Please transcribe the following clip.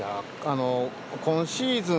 今シーズン